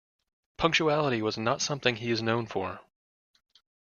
Punctuality was not something he is known for.